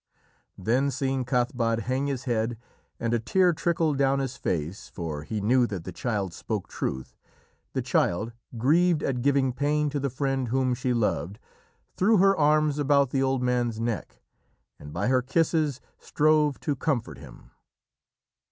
Then seeing Cathbad hang his head, and a tear trickle down his face, for he knew that the child spoke truth, the child, grieved at giving pain to the friend whom she loved, threw her arms about the old man's neck, and by her kisses strove to comfort him.